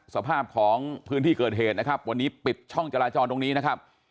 สภาพของพื้นที่เกิดเหตุนะครับวันนี้ปิดช่องจราจรตรงนี้นะครับ